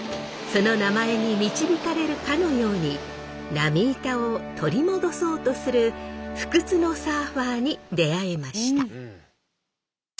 その名前に導かれるかのように浪板を取り戻そうとする不屈のサーファーに出会えました。